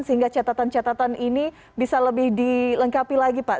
sehingga catatan catatan ini bisa lebih dilengkapi lagi pak